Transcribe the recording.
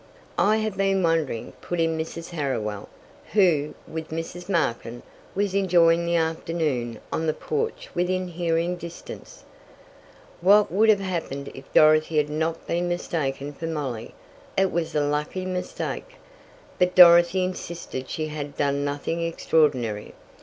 "I have been wondering," put in Mrs. Harriwell, who, with Mrs. Markin, was enjoying the afternoon on the porch within hearing distance, "what would have happened if Dorothy had not been mistaken for Molly. It was a lucky mistake." But Dorothy insisted she had done nothing extraordinary.